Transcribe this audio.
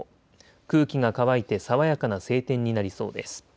空気が乾いて爽やかな晴天になりそうです。